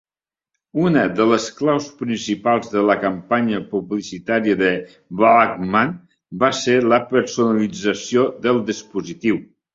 Una de les claus principals de la campanya publicitària del Walkman va ser la personalització del dispositiu.